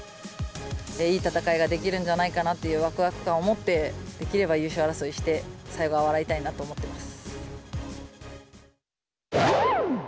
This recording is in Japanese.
いい戦いができるんじゃないかなというわくわく感を持って、できれば優勝争いをして、最後は笑いたいなと思ってます。